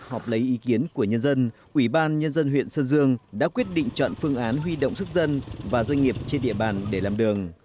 họp lấy ý kiến của nhân dân ủy ban nhân dân huyện sơn dương đã quyết định chọn phương án huy động sức dân và doanh nghiệp trên địa bàn để làm đường